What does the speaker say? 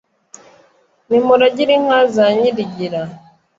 nimuragire inka za nyirigira